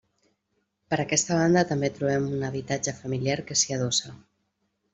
Per aquesta banda també trobem un habitatge familiar que s'hi adossa.